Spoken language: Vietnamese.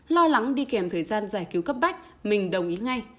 lo lắng đi kèm thời gian giải cứu cấp bách mình đồng ý ngay